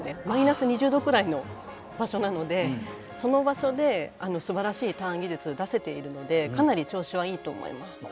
マイナス２０度ぐらいの場所なのでその場所で、すばらしいターン技術を出せているのでかなり調子はいいと思います。